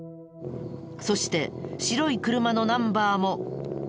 そして白い車のナンバーも。